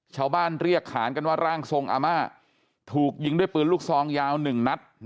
ชาวบ้านเรียกขานกันว่าร่างทรงอาม่าถูกยิงด้วยปืนลูกซองยาว๑นัด